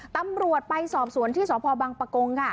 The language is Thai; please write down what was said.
ตำรวจไปสอบสวนที่สพบังปะกงค่ะ